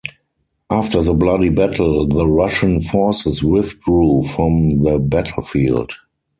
After the bloody battle the Russian forces withdrew from the battlefield.